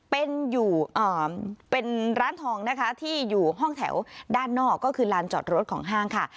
เป็นอยู่เป็นร้านทองนะคะที่อยู่ห้องแถวด้านนอกก็คือลานจอดรถของห้างค่ะ